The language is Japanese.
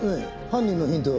犯人のヒント